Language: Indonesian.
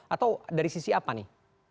atau dari sisi apa nih